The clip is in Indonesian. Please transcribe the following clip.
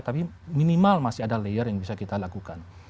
tapi minimal masih ada layer yang bisa kita lakukan